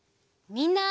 みんな！